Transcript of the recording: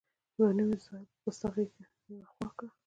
ځواني مي د ساحل په پسته غېږ کي نیمه خوا کړه